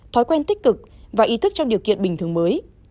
thói quen tích cực và ý thức trong điều kiện bình thường mới